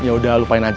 yaudah lupain aja